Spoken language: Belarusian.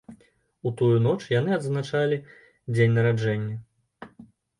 У тую ноч яны адзначалі дзень нараджэння.